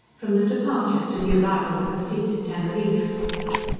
From the Departure, to the Arrival of the Fleet at Teneriffe.